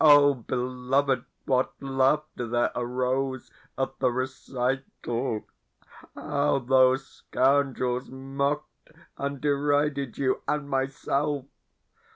Oh beloved, what laughter there arose at the recital! How those scoundrels mocked and derided you and myself!